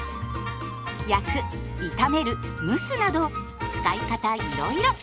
焼く炒める蒸すなど使い方いろいろ。